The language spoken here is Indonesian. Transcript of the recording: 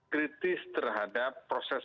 kritis terhadap proses